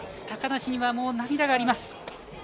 高梨には、もう涙があります。